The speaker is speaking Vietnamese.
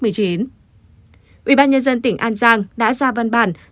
ủy ban nhân dân tỉnh an giang đã ra văn bản